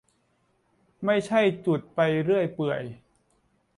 ไม่ใช่จุดไปเรื่อยเปื่อย